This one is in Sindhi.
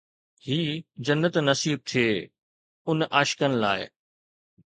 هي جنت نصيب ٿئي ان عاشقن لاءِ